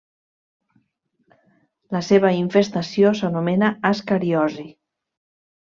La seva infestació s'anomena ascariosi.